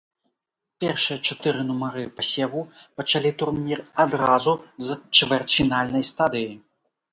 Першыя чатыры нумары пасеву пачалі турнір адразу з чвэрцьфінальнай стадыі.